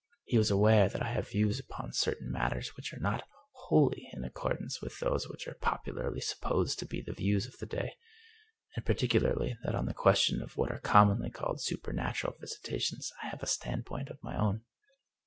He was aware that I have views upon certain matters which are not wholly in accordance with those which are popularly sup posed to be the views of the day, and particularly that on the question of what are commonly called supernatural visitations I have a standpoint of my own.